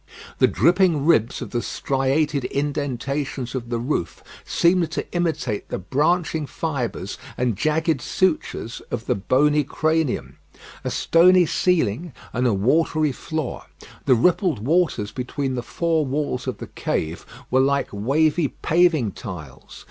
The dripping ribs of the striated indentations of the roof seemed to imitate the branching fibres and jagged sutures of the bony cranium. A stony ceiling and a watery floor. The rippled waters between the four walls of the cave were like wavy paving tiles.